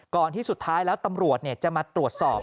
ที่สุดท้ายแล้วตำรวจจะมาตรวจสอบ